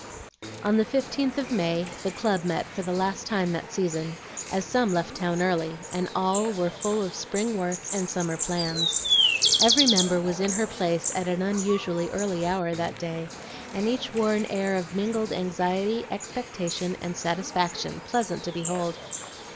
On the 15th of May the club met for the last time that season, as some left town early, and all were full of spring work and summer plans. Every member was in her place at an unusually early hour that day, and each wore an air of mingled anxiety, expectation, and satisfaction, pleasant to behold.